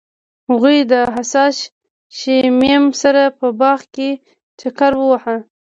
هغوی د حساس شمیم سره په باغ کې چکر وواهه.